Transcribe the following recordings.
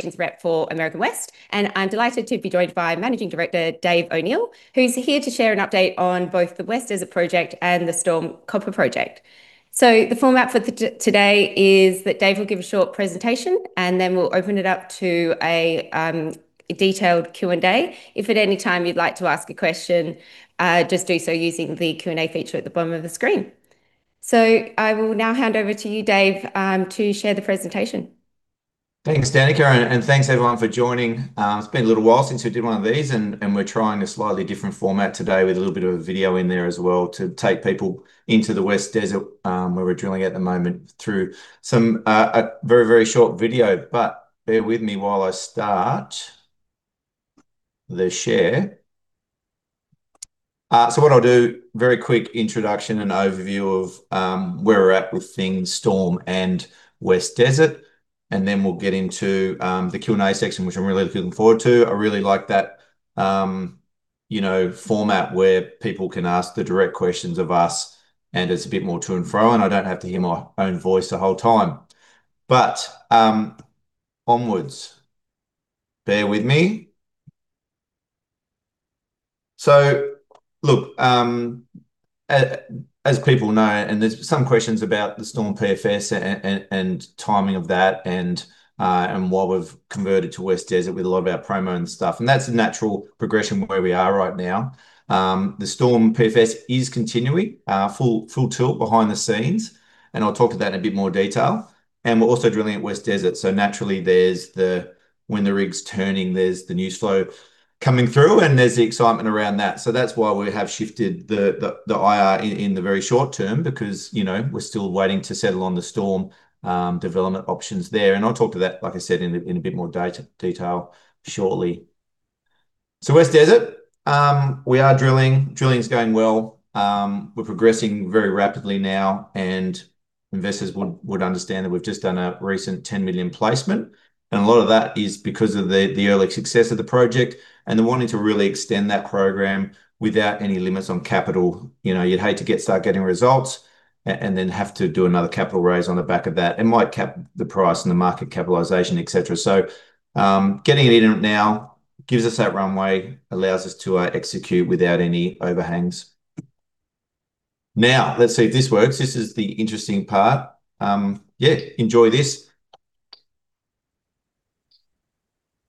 -ations rep for American West Metals. I'm delighted to be joined by Managing Director Dave O'Neill, who's here to share an update on both the West Desert Project and the Storm Copper Project. The format for today is that Dave will give a short presentation. Then we'll open it up to a detailed Q&A. If at any time you'd like to ask a question, just do so using the Q&A feature at the bottom of the screen. I will now hand over to you, Dave, to share the presentation. Thanks, Dannika, and thanks everyone for joining. It's been a little while since we did one of these and we're trying a slightly different format today with a little bit of a video in there as well to take people into the West Desert, where we're drilling at the moment through some a very short video. Bear with me while I start the share. What I'll do, very quick introduction and overview of where we're at with things Storm and West Desert, and then we'll get into the Q&A section, which I'm really looking forward to. I really like that, you know, format where people can ask the direct questions of us and it's a bit more to and fro, and I don't have to hear my own voice the whole time. Onwards. Bear with me. Look, as people know, there's some questions about the Storm PFS and timing of that and why we've converted to West Desert with a lot of our promo and stuff, and that's a natural progression where we are right now. The Storm PFS is continuing full tilt behind the scenes, and I'll talk to that in a bit more detail. We're also drilling at West Desert, so naturally when the rig's turning, there's the news flow coming through, and there's the excitement around that. That's why we have shifted the IR in the very short term because, you know, we're still waiting to settle on the Storm development options there, and I'll talk to that, like I said, in a bit more detail shortly. West Desert, we are drilling. Drilling's going well. We're progressing very rapidly now. Investors would understand that we've just done a recent 10 million placement. A lot of that is because of the early success of the project and the wanting to really extend that program without any limits on capital. You know, you'd hate to start getting results and then have to do another capital raise on the back of that. It might cap the price and the market capitalization, et cetera. Getting it in now gives us that runway, allows us to execute without any overhangs. Let's see if this works. This is the interesting part. Enjoy this.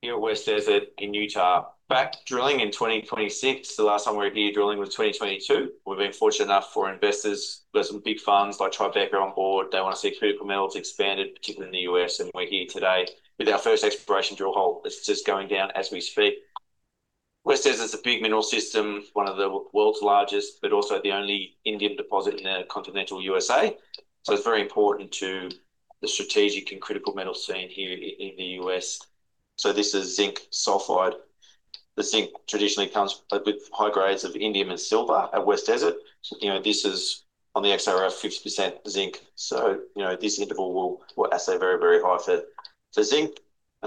Here at West Desert in Utah. Back drilling in 2026. The last time we were here drilling was 2022. We've been fortunate enough for investors. Got some big funds like Tribeca on board. They wanna see critical metals expanded, particularly in the U.S. We're here today with our first exploration drill hole. It's just going down as we speak. West Desert's a big mineral system, one of the world's largest, but also the only indium deposit in the continental USA. It's very important to the strategic and critical metal scene here in the U.S. This is zinc sulfide. The zinc traditionally comes up with high grades of indium and silver at West Desert. You know, this is on the XRF 50% zinc, so, you know, this interval will assay very, very high for zinc,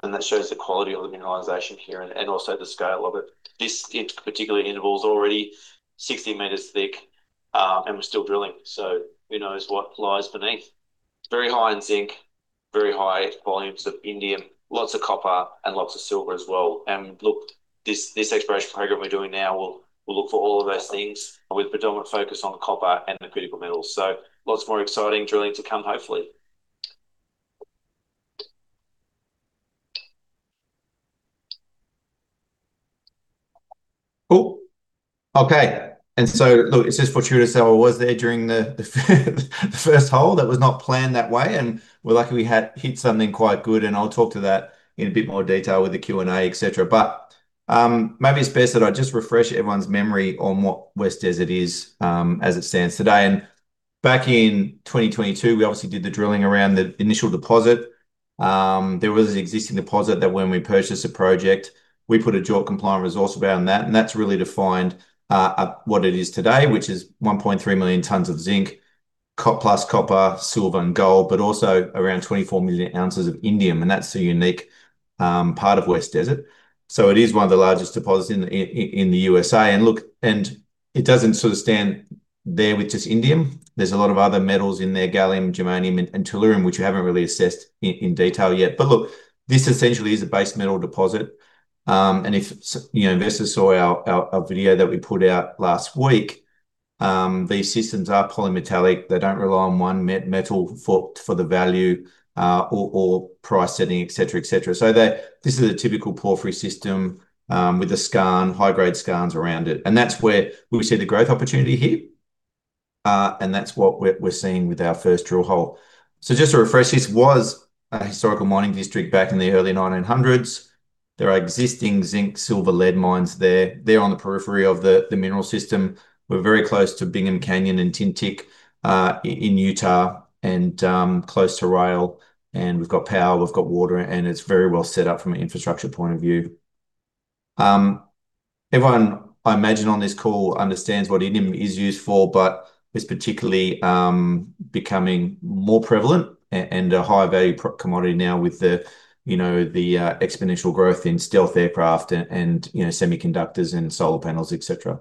and that shows the quality of the mineralization here and also the scale of it. This particular interval is already 60 meters thick, and we're still drilling. Who knows what lies beneath. Very high in zinc, very high volumes of indium, lots of copper and lots of silver as well. Look, this exploration program we're doing now will look for all of those things and with predominant focus on copper and the critical metals. Lots more exciting drilling to come, hopefully. Cool. Okay. Look, it's just fortuitous how I was there during the first hole. That was not planned that way, and we're lucky we had hit something quite good, and I'll talk to that in a bit more detail with the Q&A, et cetera. Maybe it's best that I just refresh everyone's memory on what West Desert is as it stands today. Back in 2022, we obviously did the drilling around the initial deposit. There was an existing deposit that when we purchased the project, we put a JORC compliant resource around that, and that's really defined what it is today, which is 1.3 million tons of zinc, plus copper, silver and gold, but also around 24 million ounces of indium, and that's the unique part of West Desert. It is one of the largest deposits in the U.S.A. Look, and it doesn't sort of stand there with just indium. There's a lot of other metals in there, gallium, germanium and tellurium, which we haven't really assessed in detail yet. Look, this essentially is a base metal deposit. If you know, investors saw our video that we put out last week, these systems are polymetallic. They don't rely on one metal for the value or price setting, et cetera, et cetera. This is a typical porphyry system with a skarn, high grade skarns around it. That's where we see the growth opportunity here. That's what we're seeing with our first drill hole. Just to refresh, this was a historical mining district back in the early 1900s. There are existing zinc, silver, lead mines there. They're on the periphery of the mineral system. We're very close to Bingham Canyon and Tintic in Utah and close to rail, and we've got power, we've got water, and it's very well set up from an infrastructure point of view. Everyone I imagine on this call understands what indium is used for, but it's particularly becoming more prevalent and a high value commodity now with the, you know, the exponential growth in stealth aircraft and, semiconductors and solar panels, et cetera.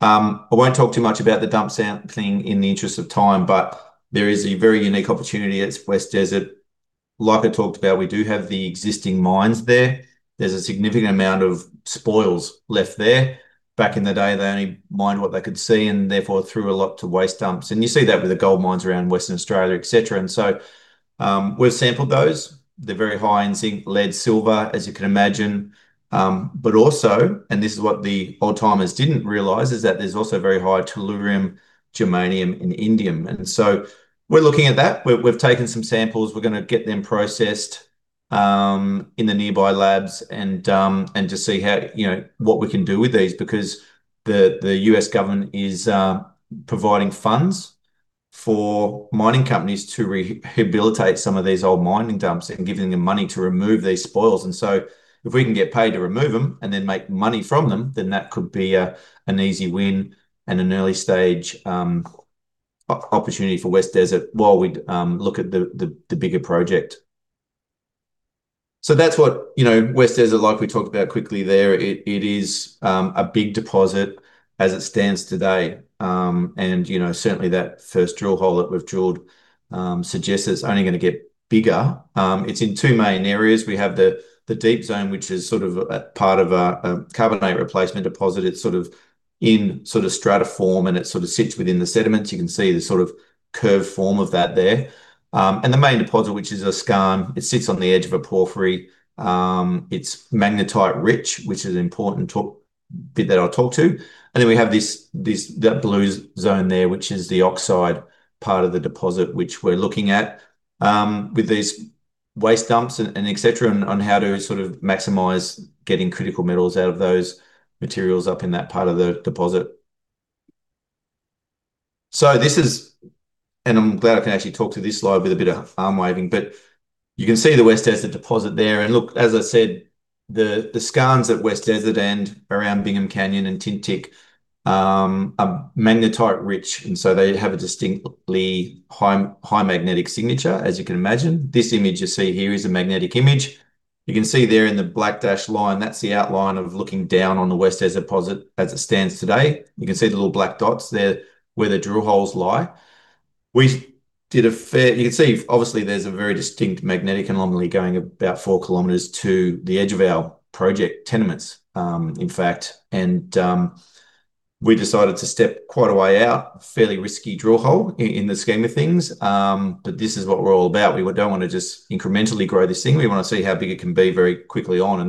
I won't talk too much about the dump sample thing in the interest of time, but there is a very unique opportunity at West Desert. Like I talked about, we do have the existing mines there. There's a significant amount of spoils left there. Back in the day, they only mined what they could see, therefore threw a lot to waste dumps, you see that with the gold mines around Western Australia, et cetera. We've sampled those. They're very high in zinc, lead, silver, as you can imagine. This is what the old-timers didn't realize, there's also very high tellurium, germanium, and indium. We're looking at that. We've taken some samples. We're going to get them processed in the nearby labs to see how, you know, what we can do with these because the U.S. government is providing funds for mining companies to rehabilitate some of these old mining dumps and giving them money to remove these spoils. If we can get paid to remove them and then make money from them, then that could be an easy win and an early stage opportunity for West Desert while we look at the bigger project. That's what, you know, West Desert, like we talked about quickly there, it is a big deposit as it stands today. You know, certainly that first drill hole that we've drilled, suggests it's only gonna get bigger. It's in two main areas. We have the Deep Zone, which is sort of a part of a carbonate replacement deposit. It's sort of in stratiform, and it sort of sits within the sediments. You can see the sort of curved form of that there. The main deposit, which is a skarn, it sits on the edge of a porphyry. It's magnetite rich, which is an important bit that I'll talk to. We have the blue zone there, which is the oxide part of the deposit which we're looking at, with these waste dumps and et cetera, on how to sort of maximize getting critical metals out of those materials up in that part of the deposit. I'm glad I can actually talk to this slide with a bit of arm waving. You can see the West Desert deposit there. As I said, the skarns at West Desert and around Bingham Canyon and Tintic are magnetite rich, they have a distinctly high magnetic signature, as you can imagine. This image you see here is a magnetic image. You can see there in the black dashed line, that's the outline of looking down on the West Desert deposit as it stands today. You can see the little black dots there where the drill holes lie. You can see obviously there's a very distinct magnetic anomaly going about 4 km to the edge of our project tenements, in fact. We decided to step quite a way out, fairly risky drill hole in the scheme of things. This is what we're all about. We don't wanna just incrementally grow this thing. We wanna see how big it can be very quickly on.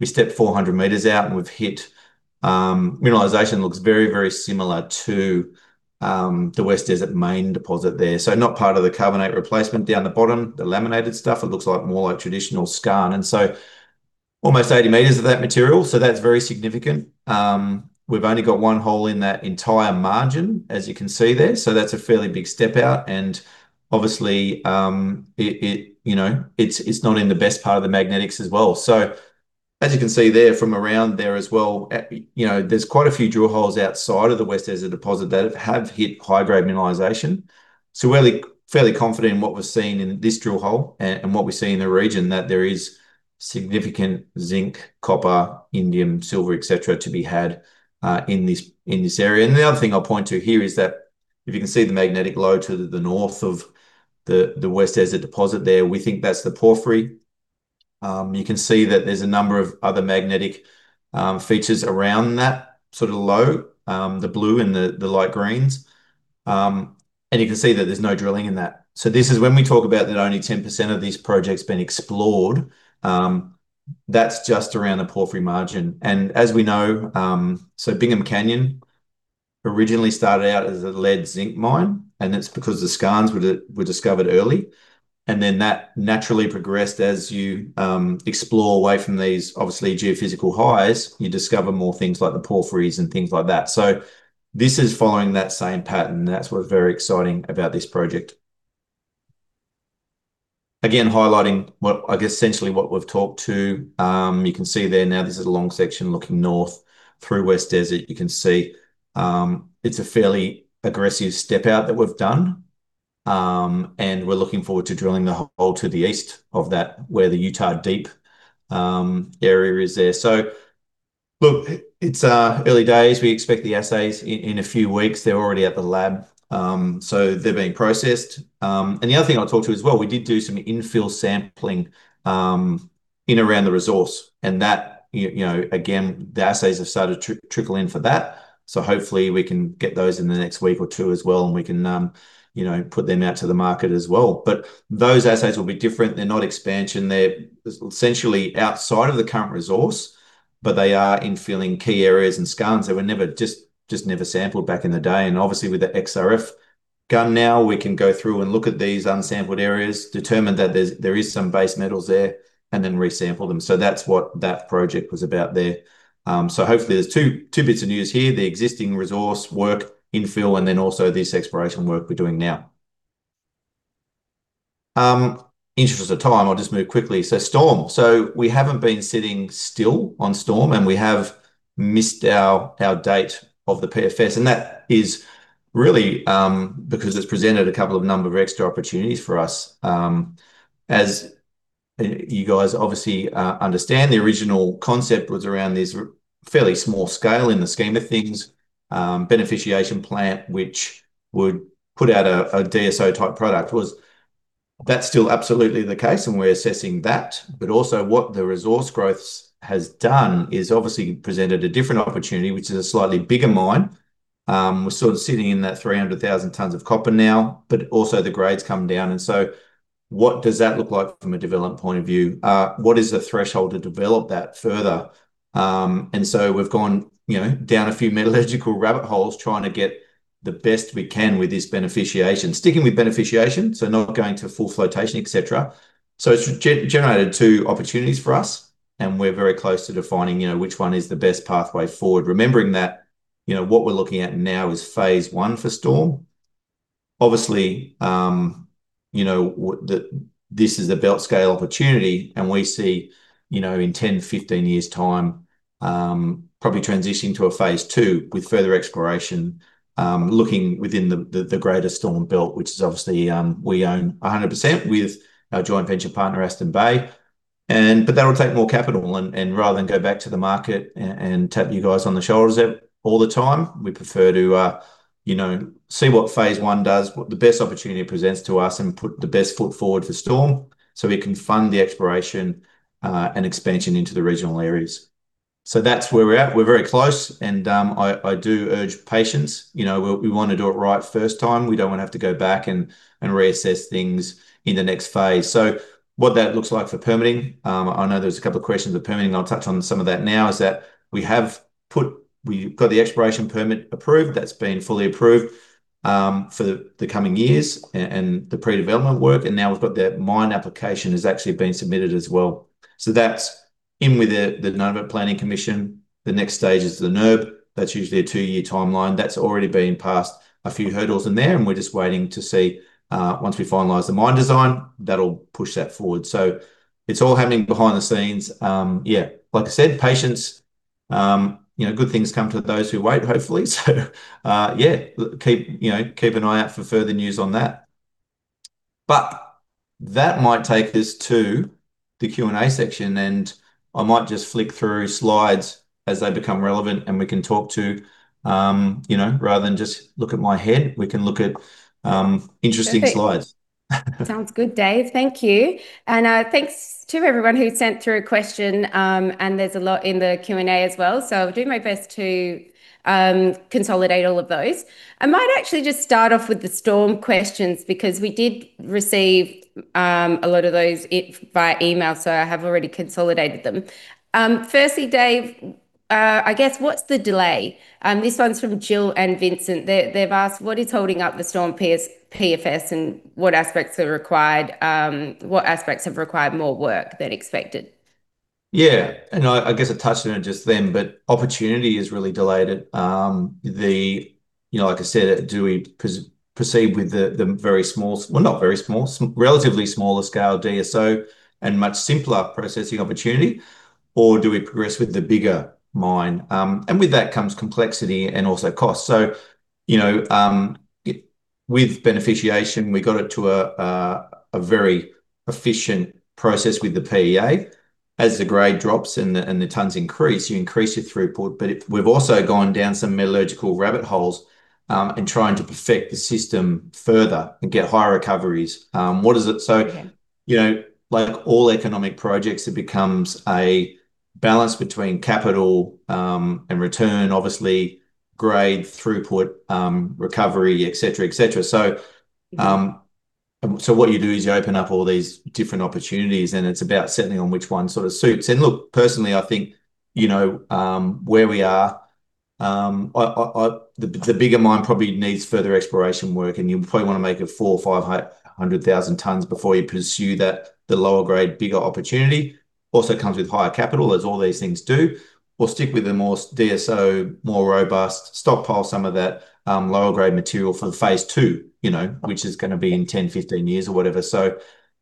We stepped 400 meters out, we've hit mineralization. Looks very, very similar to the West Desert main deposit there. Not part of the carbonate replacement down the bottom, the laminated stuff. It looks like more like traditional skarn. Almost 80 meters of that material. That's very significant. We've only got one hole in that entire margin, as you can see there, so that's a fairly big step out and obviously, it, you know, it's not in the best part of the magnetics as well. As you can see there, from around there as well, you know, there's quite a few drill holes outside of the West Desert deposit that have hit high-grade mineralization. We're really fairly confident in what we're seeing in this drill hole and what we see in the region, that there is significant zinc, copper, indium, silver, et cetera, to be had in this, in this area. The other thing I'll point to here is that if you can see the magnetic low to the north of the West Desert deposit there, we think that's the porphyry. You can see that there's a number of other magnetic features around that, sort of low, the blue and the light greens. You can see that there's no drilling in that. This is when we talk about that only 10% of these projects have been explored, that's just around the porphyry margin. As we know, Bingham Canyon originally started out as a lead-zinc mine, and it's because the skarns were discovered early. That naturally progressed as you explore away from these obviously geophysical highs, you discover more things like the porphyries and things like that. This is following that same pattern. That's what's very exciting about this project. Again, highlighting what I guess essentially what we've talked to. You can see there now, this is a long section looking north through West Desert. You can see, it's a fairly aggressive step out that we've done. And we're looking forward to drilling the hole to the east of that, where the Utah Deep area is there. Look, it's early days. We expect the assays in a few weeks. They're already at the lab. They're being processed. The other thing I'd talk to as well, we did do some infill sampling, in around the resource, and that, you know, again, the assays have started to trickle in for that. Hopefully, we can get those in the next week or two as well, and we can, you know, put them out to the market as well. Those assays will be different. They're not expansion. They're essentially outside of the current resource, but they are infilling key areas and skarns that were never just never sampled back in the day. Obviously, with the XRF gun now, we can go through and look at these unsampled areas, determine that there is some base metals there, and then resample them. That's what that project was about there. Hopefully there's two bits of news here, the existing resource work infill and then also this exploration work we're doing now. In the interest of time, I'll just move quickly. Storm. We haven't been sitting still on Storm, and we have missed our date of the PFS. That is really because it's presented a couple of extra opportunities for us. You guys obviously understand the original concept was around this fairly small scale in the scheme of things, beneficiation plant which would put out a DSO-type product. That's still absolutely the case and we're assessing that. Also, what the resource growth has done is obviously presented a different opportunity, which is a slightly bigger mine. We're sort of sitting in that 300,000 tons of copper now. Also, the grade's come down. What does that look like from a development point of view? What is the threshold to develop that further? We've gone, you know, down a few metallurgical rabbit holes trying to get the best we can with this beneficiation. Sticking with beneficiation, so not going to full flotation, et cetera. It's generated two opportunities for us, and we're very close to defining, you know, which one is the best pathway forward. Remembering that, you know, what we're looking at now is phase I for Storm. Obviously, you know, this is a belt scale opportunity, and we see, you know, in 10, 15 years time, probably transitioning to a phase II with further exploration, looking within the greater Storm belt, which is obviously, we own 100% with our joint venture partner Aston Bay. That would take more capital and rather than go back to the market and tap you guys on the shoulders all the time, we prefer to, you know, see what phase I does, what the best opportunity presents to us and put the best foot forward for Storm so we can fund the exploration and expansion into the regional areas. That's where we're at. We're very close and I do urge patience. You know, we want to do it right first time. We don't want to have to go back and reassess things in the next phase. What that looks like for permitting, I know there was a couple of questions for permitting, I'll touch on some of that now, is that we got the exploration permit approved. That's been fully approved for the coming years and the pre-development work, and now we've got that mine application has actually been submitted as well. That's in with the Nunavut Planning Commission. The next stage is the NIRB. That's usually a two-year timeline. That's already been passed a few hurdles in there, and we're just waiting to see once we finalize the mine design, that'll push that forward. It's all happening behind the scenes. Yeah, like I said, patience. You know, good things come to those who wait, hopefully. Yeah, keep, you know, keep an eye out for further news on that. That might take us to the Q&A section, and I might just flick through slides as they become relevant and we can talk to, you know, rather than just look at my head, we can look at interesting slides. Perfect. Sounds good, Dave. Thank you. Thanks to everyone who sent through a question. There's a lot in the Q&A as well, so I'll do my best to consolidate all of those. I might actually just start off with the Storm questions because we did receive a lot of those via email, so I have already consolidated them. Firstly, Dave, I guess what's the delay? This one's from Jill and Vincent. They've asked, "What is holding up the Storm PFS and what aspects are required, what aspects have required more work than expected? Yeah. I guess I touched on it just then, but opportunity has really delayed it. The, you know, like I said, do we proceed with the very small, well, not very small, relatively smaller scale DSO and much simpler processing opportunity, or do we progress with the bigger mine? With that comes complexity and also cost. You know, it, with beneficiation, we got it to a very efficient process with the PEA. As the grade drops and the tonnes increase, you increase your throughput. If we've also gone down some metallurgical rabbit holes in trying to perfect the system further and get higher recoveries. What is it? Yeah You know, like all economic projects, it becomes a balance between capital, and return, obviously grade, throughput, recovery, et cetera, et cetera. What you do is you open up all these different opportunities and it's about settling on which one sort of suits. Look, personally, I think, you know, where we are, the bigger mine probably needs further exploration work and you probably want to make it four or 500,000 tonnes before you pursue that, the lower grade, bigger opportunity. Comes with higher capital, as all these things do. We'll stick with the more DSO, more robust, stockpile some of that lower grade material for the phase II, you know, which is going to be in 10, 15 years or whatever.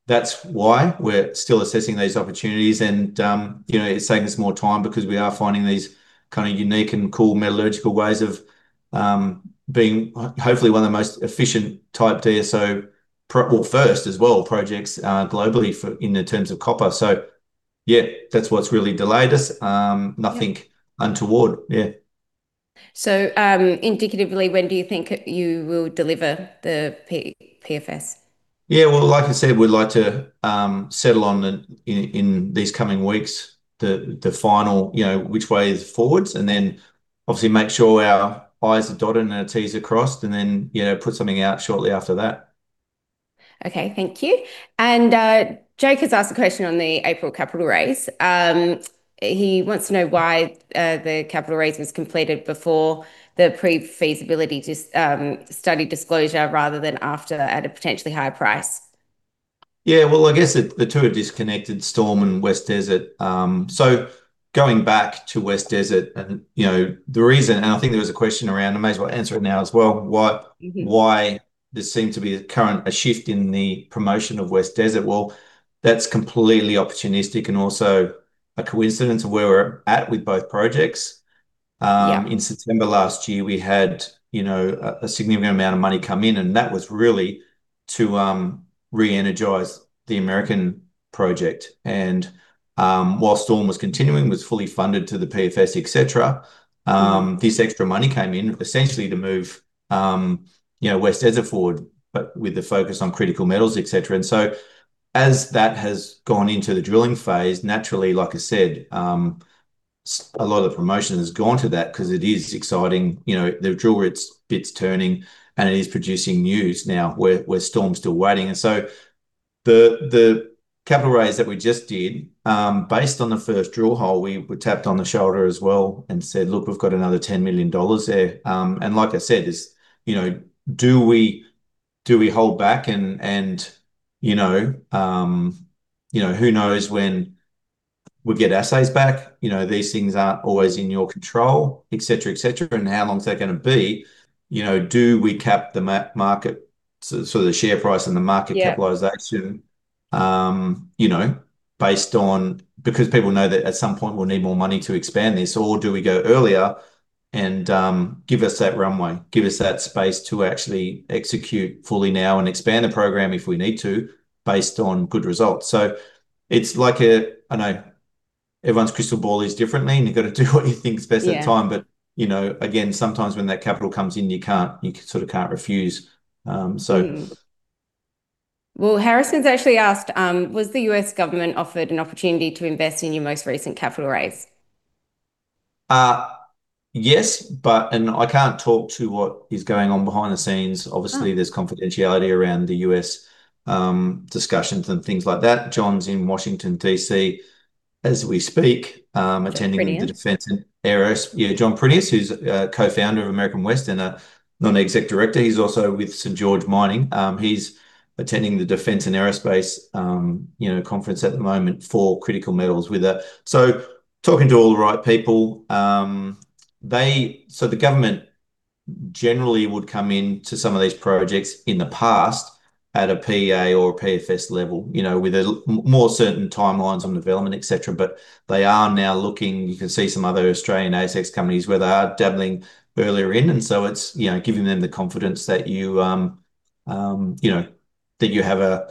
That's why we're still assessing these opportunities and, you know, it's taking us more time because we are finding these kind of unique and cool metallurgical ways of being hopefully one of the most efficient type DSO projects globally for, in the terms of copper. Yeah, that's what's really delayed us. Yeah nothing untoward. Yeah. Indicatively, when do you think you will deliver the PFS? Yeah. Well, like I said, we'd like to settle on in these coming weeks the final, you know, which way is forwards and then obviously make sure our Is are dotted and our Ts are crossed and then, you know, put something out shortly after that. Okay, thank you. Jake has asked a question on the April capital raise. He wants to know why the capital raise was completed before the pre-feasibility study disclosure rather than after at a potentially higher price. Yeah. Well, I guess the two are disconnected, Storm and West Desert. Going back to West Desert and, you know, the reason, and I think there was a question around, I may as well answer it now as well. why there seemed to be a current, a shift in the promotion of West Desert. Well, that's completely opportunistic and also a coincidence of where we're at with both projects. In September last year we had, you know, a significant amount of money come in and that was really to re-energize the American project. While Storm was continuing, was fully funded to the PFS, et cetera. This extra money came in essentially to move, you know, West Desert forward but with the focus on critical metals, et cetera. As that has gone into the drilling phase, naturally, like I said, a lot of promotion has gone to that 'cause it is exciting. You know, the drill rig's bits turning and it is producing news now where Storm's still waiting. The capital raise that we just did, based on the first drill hole, we tapped on the shoulder as well and said, "Look, we've got another 10 million dollars there." Like I said, is, you know, do we hold back and you know, you know, who knows when we'll get assays back. You know, these things aren't always in your control, et cetera, et cetera, and how long's that gonna be. You know, do we cap the market, so the share price and the market. Yeah capitalization, you know, based on Because people know that at some point, we'll need more money to expand this, or do we go earlier and give us that runway, give us that space to actually execute fully now and expand the program if we need to based on good results? It's like I know everyone's crystal ball is different and you've got to do what you think is best at the time. Yeah. You know, again, sometimes when that capital comes in you can't, you sort of can't refuse. Harrison's actually asked, "Was the U.S. government offered an opportunity to invest in your most recent capital raise? Yes, I can't talk to what is going on behind the scenes. Oh. Obviously, there's confidentiality around the U.S. discussions and things like that. John's in Washington D.C. as we speak. John Prineas Yeah, John Prineas, who's a co-founder of American West and a non-exec director. He's also with St George Mining. He's attending the Defense and Aerospace, you know, conference at the moment for critical metals. Talking to all the right people. They the government generally would come into some of these projects in the past at a PEA or a PFS level, you know, with more certain timelines on development, et cetera. They are now looking, you can see some other Australian ASX companies where they are dabbling earlier in and it's, you know, giving them the confidence that you know, that you have a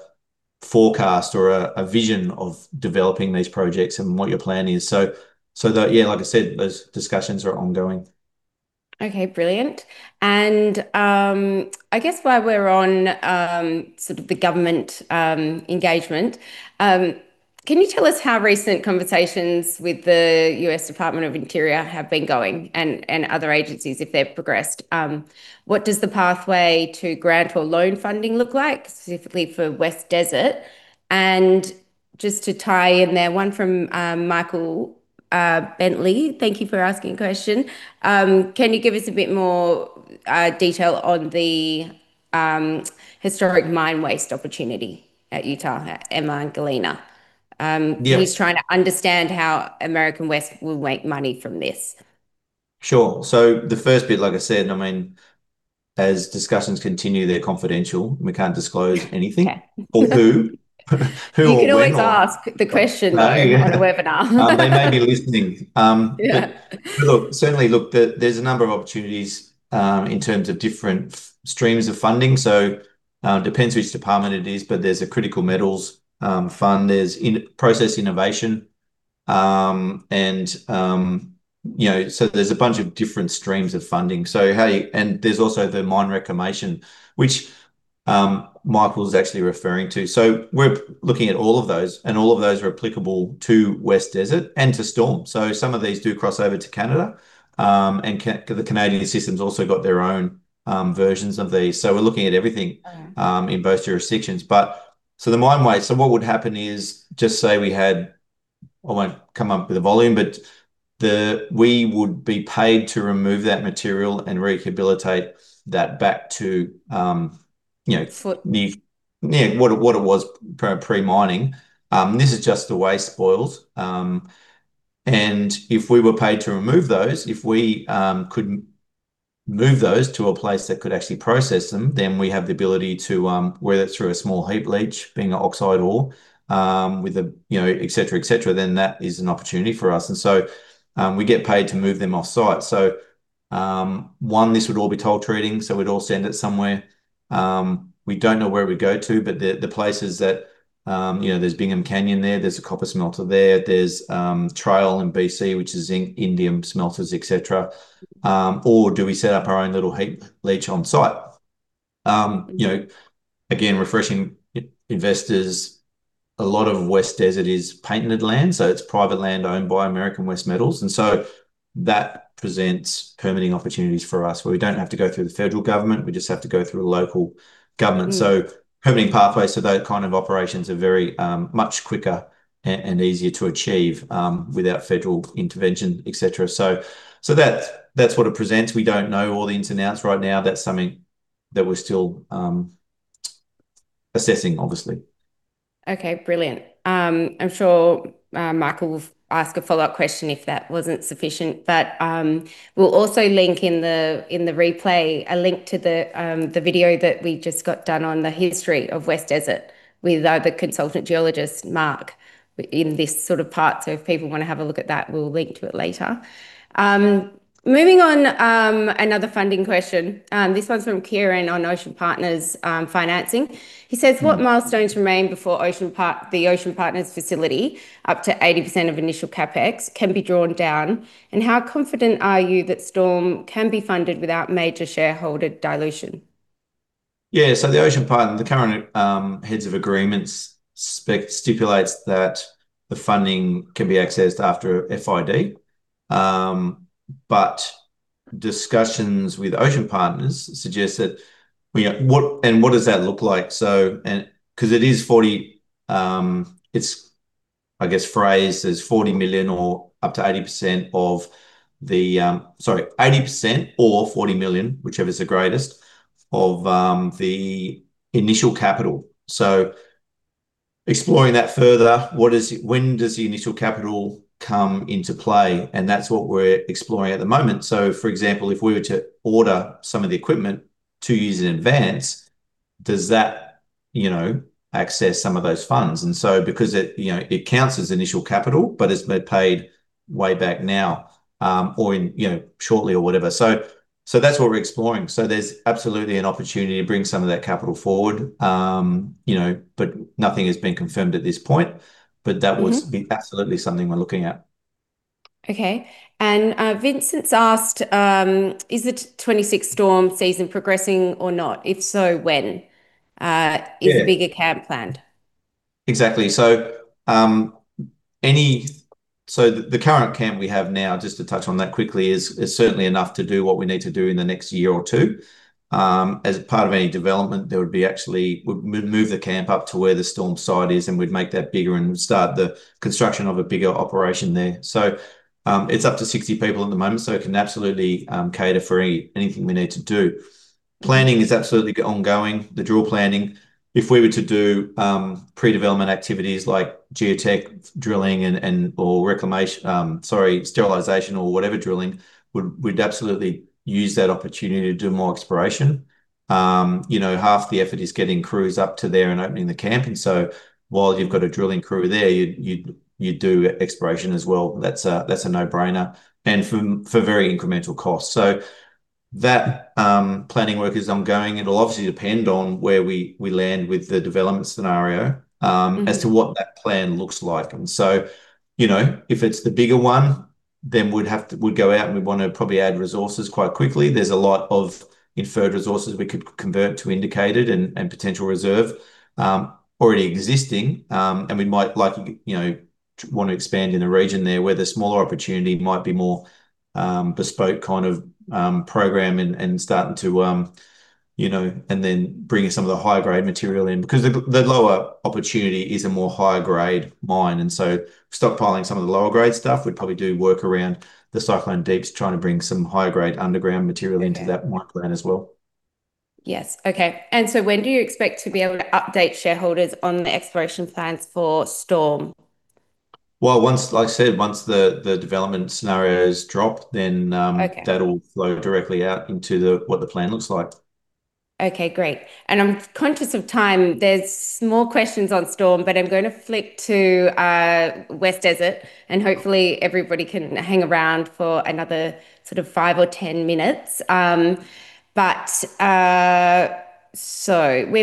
forecast or a vision of developing these projects and what your plan is. The, yeah, like I said, those discussions are ongoing. Okay. Brilliant. I guess while we're on sort of the government engagement, can you tell us how recent conversations with the U.S. Department of the Interior have been going and other agencies if they've progressed? What does the pathway to grant or loan funding look like, specifically for West Desert? Just to tie in there, one from Michael Bentley, thank you for asking a question, can you give us a bit more detail on the historic mine waste opportunity at Utah at Emma and Galena? Yeah. He's trying to understand how American West will make money from this. Sure. The first bit, like I said, I mean, as discussions continue, they're confidential and we can't disclose anything. Okay. or when. You can always ask the question. No on the webinar. They may be listening. Yeah Certainly, there's a number of opportunities in terms of different streams of funding. It depends which department it is, but there's a critical metals fund, there's in-process innovation. You know, there's a bunch of different streams of funding. There's also the mine reclamation, which Michael is actually referring to. We're looking at all of those, and all of those are applicable to West Desert and to Storm. Some of these do cross over to Canada. The Canadian system's also got their own versions of these. We're looking at everything. Oh, yeah. in both jurisdictions. The mine waste, what would happen is, just say we had I won't come up with a volume, but we would be paid to remove that material and rehabilitate that back to, you know. Foot What it was pre-mining. This is just the waste spoils. If we were paid to remove those, if we could move those to a place that could actually process them, then we have the ability to, whether it's through a small heap leach being an oxide ore, with a, you know, et cetera, et cetera, then that is an opportunity for us. We get paid to move them off site. One, this would all be toll treating, so we'd all send it somewhere. We don't know where we'd go to, the places that, you know, there's Bingham Canyon there's a copper smelter there. There's Trail in BC, which is zinc, indium smelters, et cetera. Do we set up our own little heap leach on site? You know, again, refreshing investors, a lot of West Desert is patented land, so it is private land owned by American West Metals. That presents permitting opportunities for us where we do not have to go through the federal government, we just have to go through a local government. Permitting pathways to those kind of operations are very much quicker and easier to achieve without federal intervention, et cetera. That's what it presents. We don't know all the ins and outs right now. That's something that we're still assessing obviously. Okay. Brilliant. I'm sure Michael will ask a follow-up question if that wasn't sufficient. We'll also link in the replay a link to the video that we just got done on the history of West Desert with the consultant geologist, Mark, in this sort of part. If people want to have a look at that, we'll link to it later. Moving on, another funding question. This one's from Kieran on Ocean Partners' financing. He says, "What milestones remain before the Ocean Partners facility, up to 80% of initial CapEx can be drawn down? How confident are you that Storm can be funded without major shareholder dilution? Yeah. The Ocean Partners, the current heads of agreements stipulates that the funding can be accessed after FID. Discussions with Ocean Partners suggest that, you know, what, and what does that look like? Because it is 40 million, it is, I guess, phrased as 40 million or up to 80% of the, sorry, 80% or 40 million, whichever is the greatest, of the initial capital. Exploring that further, what is, when does the initial capital come into play? That is what we are exploring at the moment. For example, if we were to order some of the equipment two years in advance, does that, you know, access some of those funds? Because it, you know, it counts as initial capital, but it has been paid way back now, or in, you know, shortly or whatever. That's what we're exploring. There's absolutely an opportunity to bring some of that capital forward. You know, nothing has been confirmed at this point. That would be absolutely something we're looking at. Okay. Vincent's asked, "Is the 2026 Storm season progressing or not? If so, when? Yeah. Is a bigger camp planned? Exactly. Any, so the current camp we have now, just to touch on that quickly, is certainly enough to do what we need to do in the next year or two. As part of any development there would be actually, we'd move the camp up to where the Storm site is, and we'd make that bigger and start the construction of a bigger operation there. It's up to 60 people at the moment, so it can absolutely cater for anything we need to do. Planning is absolutely ongoing, the drill planning. If we were to do pre-development activities like geotech drilling and or reclamation, sorry, sterilization or whatever drilling, we'd absolutely use that opportunity to do more exploration. You know, half the effort is getting crews up to there and opening the camp. While you've got a drilling crew there, you'd do exploration as well. That's a no-brainer. For very incremental costs. That planning work is ongoing. It'll obviously depend on where we land with the development scenario. As to what that plan looks like. You know, if it's the bigger one, then we'd go out and we'd want to probably add resources quite quickly. There's a lot of Inferred resources we could convert to Indicated and potential reserve already existing. We might like, you know, want to expand in the region there where the smaller opportunity might be more bespoke kind of program and starting to, you know, and then bringing some of the higher-grade material in. The lower opportunity is a more higher grade mine. Stockpiling some of the lower grade stuff, we'd probably do work around the Cyclone Deeps trying to bring some higher-grade underground material. Okay into that mine plan as well. Yes. Okay. When do you expect to be able to update shareholders on the exploration plans for Storm? once, like I said, once the development scenario's dropped. Okay that'll flow directly out into the, what the plan looks like. Okay. Great. I'm conscious of time. There's more questions on Storm, but I'm going to flick to West Desert. Hopefully everybody can hang around for another sort of 5 or 10 minutes. We've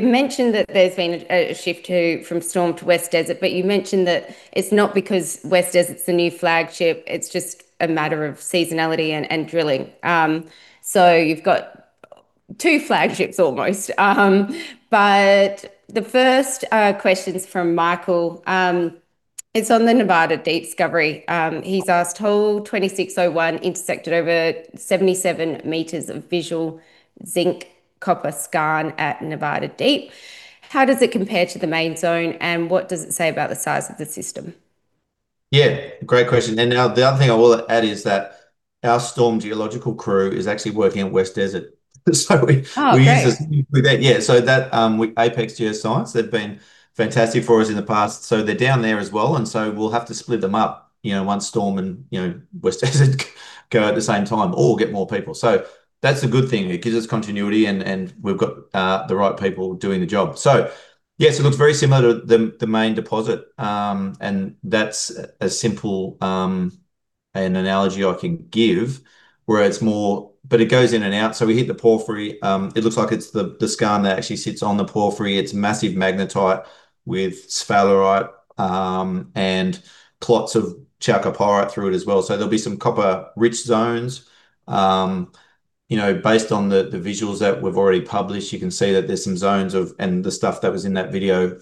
mentioned that there's been a shift to from Storm to West Desert, but you mentioned that it's not because West Desert's the new flagship, it's just a matter of seasonality and drilling. You've got two flagships almost. The first question's from Michael, it's on the Nevada Deep discovery. He's asked, "Hole 2601 intersected over 77 meters of visual zinc copper skarn at Nevada Deep. How does it compare to the Main Zone, and what does it say about the size of the system? Yeah. Great question. The other thing I will add is that our Storm geological crew is actually working at West Desert. Oh, great. we use this with that. Yeah, APEX Geoscience, they've been fantastic for us in the past. They're down there as well, we'll have to split them up, you know, once Storm and, you know, West Desert go at the same time or get more people. That's a good thing. It gives us continuity and we've got the right people doing the job. Yes, it looks very similar to the main deposit. That's a simple analogy I can give where it goes in and out. We hit the porphyry. It looks like it's the skarn that actually sits on the porphyry. It's massive magnetite with sphalerite and clots of chalcopyrite through it as well. There'll be some copper rich zones. You know, based on the visuals that we've already published, you can see that there's the stuff that was in that video.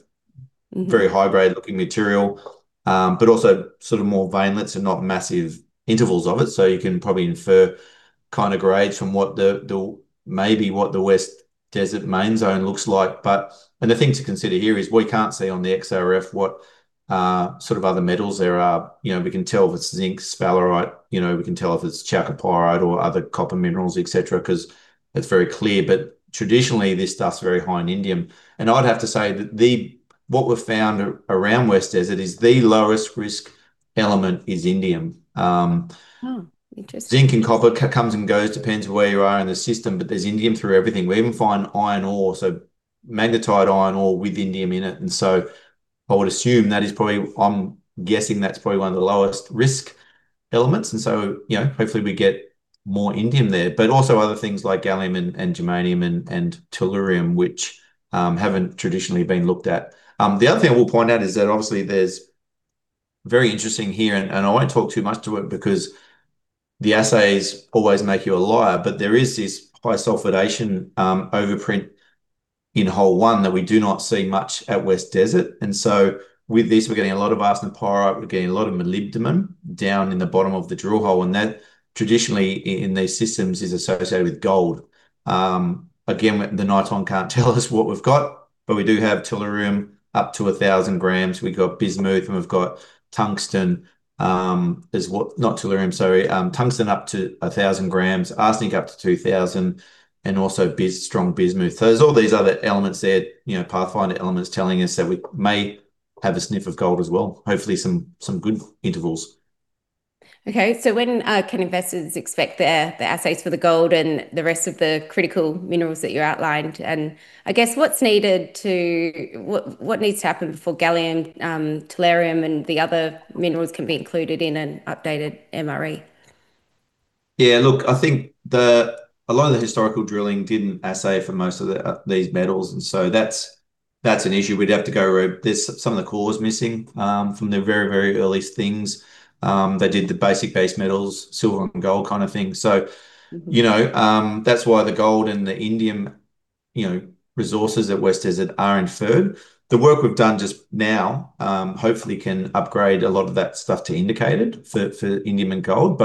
very high grade looking material. Also sort of more veinlets and not massive intervals of it. You can probably infer kind of grade from what the, maybe what the West Desert Main Zone looks like. The thing to consider here is we can't see on the XRF what sort of other metals there are. You know, we can tell if it's zinc, sphalerite. You know, we can tell if it's chalcopyrite or other copper minerals, et cetera, 'cause it's very clear. Traditionally this stuff's very high in indium. I'd have to say that the, what we've found around West Desert is the lowest risk element is indium. Oh, interesting. zinc and copper comes and goes, depends where you are in the system, but there's indium through everything. We even find iron ore, so magnetite iron ore with indium in it. I would assume that is probably, I'm guessing that's probably one of the lowest risk elements, so, you know, hopefully we get more indium there. Also other things like gallium and, germanium and, tellurium, which haven't traditionally been looked at. The other thing I will point out is that obviously there's very interesting here, and I won't talk too much to it because the assays always make you a liar, but there is this high-sulfidation overprint in hole one that we do not see much at West Desert. With this we're getting a lot of arsenopyrite, we're getting a lot of molybdenum down in the bottom of the drill hole, and that traditionally in these systems is associated with gold. Again, we, the Niton can't tell us what we've got, but we do have tellurium up to 1,000 grams. We've got bismuth and we've got tungsten, is what Not tellurium, sorry. Tungsten up to 1,000 grams, arsenic up to 2,000, and also strong bismuth. There's all these other elements there, you know, pathfinder elements telling us that we may have a sniff of gold as well. Hopefully some good intervals. Okay. When can investors expect the assays for the gold and the rest of the critical minerals that you outlined? I guess, what needs to happen before gallium, tellurium and the other minerals can be included in an updated MRE? Look, I think a lot of the historical drilling didn't assay for most of these metals, that's an issue. We'd have to go. Some of the core was missing from the very earliest things. They did the basic base metals, silver and gold kind of thing. You know, that's why the gold and the indium, you know, resources at West Desert are Inferred. The work we've done just now, hopefully can upgrade a lot of that stuff to Indicated for indium and gold.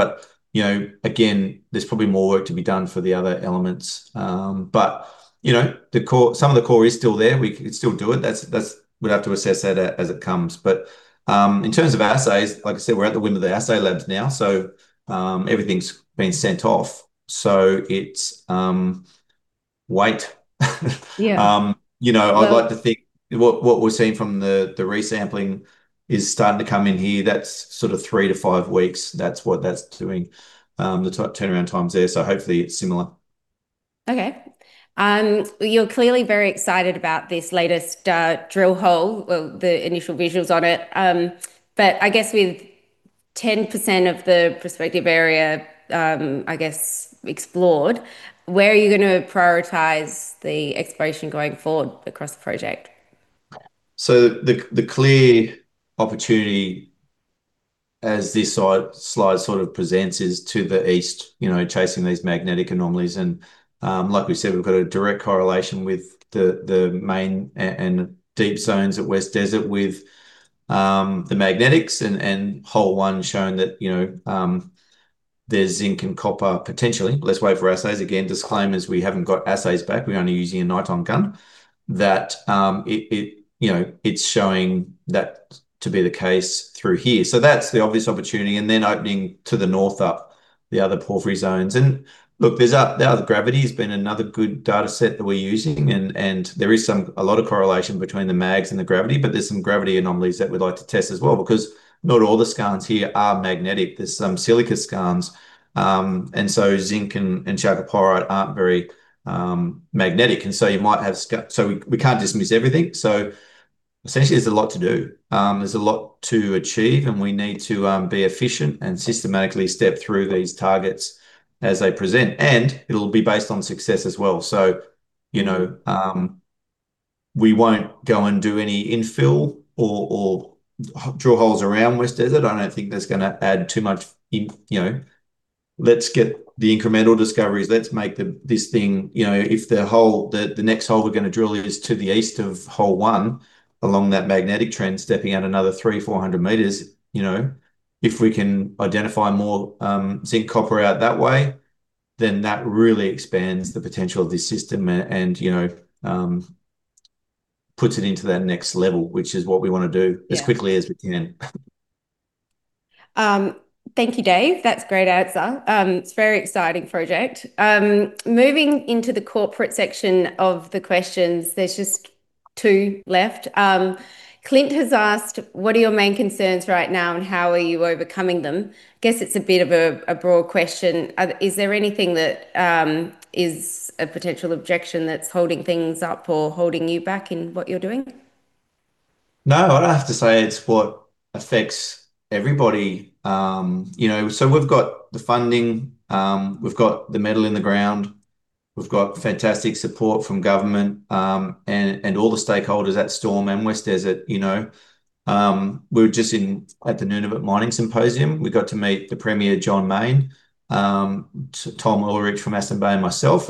You know, again, there's probably more work to be done for the other elements. You know, some of the core is still there. We can still do it. That's We'd have to assess that as it comes. In terms of assays, like I said, we're at the window of the assay labs now, so everything's been sent off. It's wait. Yeah. You know. Well- I'd like to think what we're seeing from the resampling is starting to come in here. That's sort of three to five weeks. That's what that's doing. The turnaround time's there, so hopefully it's similar. Okay. You're clearly very excited about this latest drill hole, well, the initial visuals on it. I guess with 10% of the prospective area, I guess explored, where are you gonna prioritize the exploration going forward across the project? The clear opportunity as this slide sort of presents is to the east, you know, chasing these magnetic anomalies. Like we've said, we've got a direct correlation with the main and deep zones at West Desert with the magnetics and hole 1 showing that, you know, there's zinc and copper potentially. Let's wait for assays. Again, disclaimers, we haven't got assays back. We're only using a Niton gun. That, it, you know, it's showing that to be the case through here. That's the obvious opportunity, and then opening to the north up the other porphyry zones. Look, the other gravity has been another good data set that we're using, and there is a lot of correlation between the mags and the gravity, but there's some gravity anomalies that we'd like to test as well because not all the skarns here are magnetic. There's some silica skarns. Zinc and chalcopyrite aren't very magnetic. We can't dismiss everything. Essentially, there's a lot to do. There's a lot to achieve, and we need to be efficient and systematically step through these targets as they present, and it'll be based on success as well. You know, we won't go and do any infill or drill holes around West Desert. I don't think that's gonna add too much in. You know? Let's get the incremental discoveries. Let's make this thing, you know, if the hole, the next hole we're gonna drill is to the east of hole 1 along that magnetic trend, stepping out another 300, 400 meters, you know, if we can identify more zinc, copper out that way, then that really expands the potential of this system and, you know, puts it into that next level, which is what we want to do. Yeah as quickly as we can. Thank you, Dave. That's a great answer. It's a very exciting project. Moving into the corporate section of the questions, there's just two left. Clint has asked, "What are your main concerns right now and how are you overcoming them?" Guess it's a bit of a broad question. Is there anything that is a potential objection that's holding things up or holding you back in what you're doing? No, I'd have to say it's what affects everybody. You know, we've got the funding, we've got the metal in the ground, we've got fantastic support from government, and all the stakeholders at Storm and West Desert, you know. We were just at the Nunavut Mining Symposium. We got to meet the Premier, John Main, Tom Ullrich from Aston Bay and myself,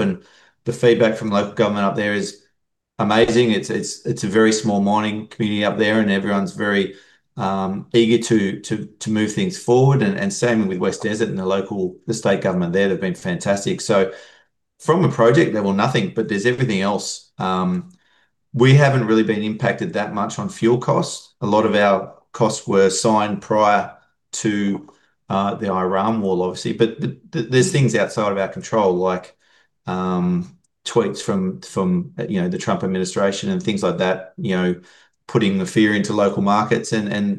the feedback from local government up there is amazing. It's a very small mining community up there and everyone's very eager to move things forward, same with West Desert and the local, the state government there, they've been fantastic. From a project level, nothing, but there's everything else. We haven't really been impacted that much on fuel costs. A lot of our costs were signed prior to the tariff war, obviously. There's things outside of our control like tweets from, you know, the Trump administration and things like that, you know, putting the fear into local markets. You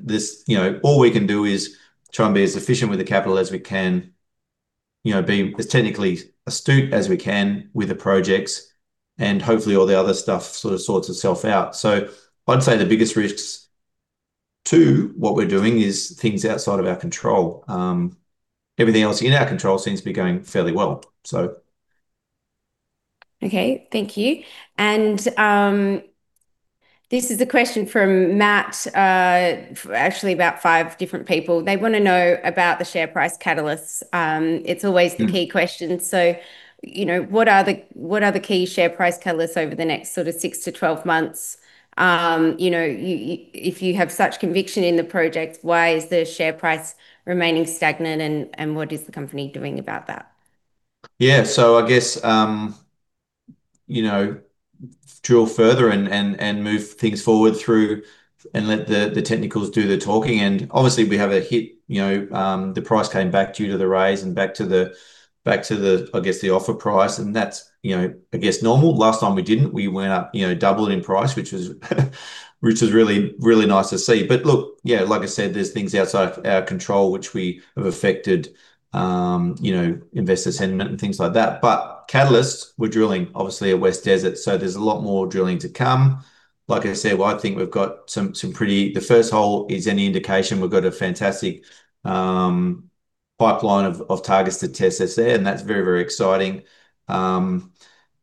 know, all we can do is try and be as efficient with the capital as we can. You know, being as technically astute as we can with the projects, and hopefully all the other stuff sort of sorts itself out. I'd say the biggest risks to what we're doing is things outside of our control. Everything else in our control seems to be going fairly well. Okay, thank you. This is a question from Matt, actually about 5 different people. They want to know about the share price catalysts. The key question. You know, what are the key share price catalysts over the next sort of 6-12 months? You know, if you have such conviction in the project, why is the share price remaining stagnant, and what is the company doing about that? Yeah. I guess, you know, drill further and move things forward through and let the technicals do the talking. Obviously, we have a hit. You know, the price came back due to the raise and back to the, I guess the offer price, and that's, you know, I guess normal. Last time we didn't, we went up, you know, doubled in price, which was really, really nice to see. Look, yeah, like I said, there's things outside of our control which we have affected, you know, investor sentiment and things like that. Catalysts, we're drilling obviously at West Desert, so there's a lot more drilling to come. Like I said, I think we've got some pretty the first hole is any indication, we've got a fantastic pipeline of targets to test that's there, and that's very, very exciting.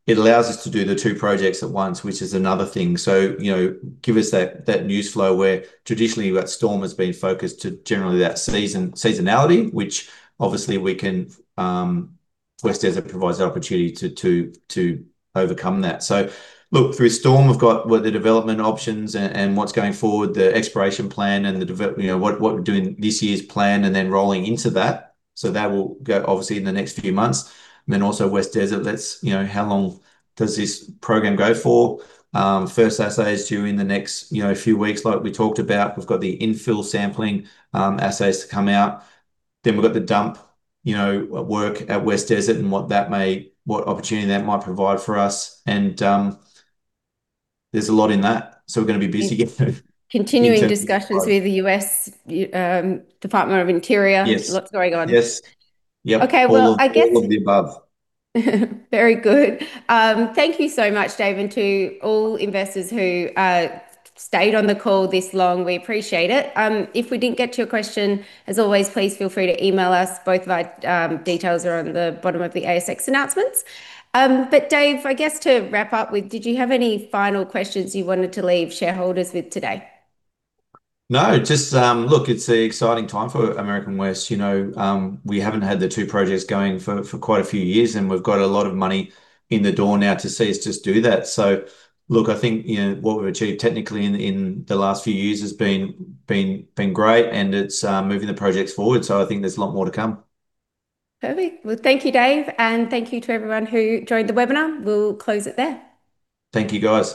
It allows us to do the two projects at once, which is another thing. You know, give us that news flow where traditionally at Storm has been focused to generally that seasonality, which obviously we can, West Desert provides the opportunity to overcome that. Look, through Storm, we've got the development options and what's going forward, the exploration plan and you know, what we're doing this year's plan and then rolling into that. That will go obviously in the next few months. Also West Desert, that's, you know, how long does this program go for? First assays due in the next, you know, few weeks like we talked about. We've got the infill sampling, assays to come out. We've got the dump, you know, work at West Desert and what opportunity that might provide for us and there's a lot in that. We're gonna be busy getting through. Continuing discussions with the- Exactly U.S. Department of Interior. Yes. Lots going on. Yes. Yep. Okay. Well, I guess. All of the above. Very good. Thank you so much, Dave, and to all investors who stayed on the call this long, we appreciate it. If we didn't get to your question, as always, please feel free to email us. Both of our details are on the bottom of the ASX announcements. Dave, I guess to wrap up with, did you have any final questions you wanted to leave shareholders with today? Just, look, it's a exciting time for American West. You know, we haven't had the 2 projects going for quite a few years. We've got a lot of money in the door now to see us just do that. Look, I think, you know, what we've achieved technically in the last few years has been great. It's moving the projects forward. I think there's a lot more to come. Perfect. Well, thank you, Dave, and thank you to everyone who joined the webinar. We'll close it there. Thank you, guys.